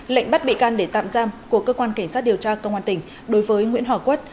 lệnh bắt bị can để tạm giam của cơ quan cảnh sát điều tra công an tỉnh đối với nguyễn hòa quất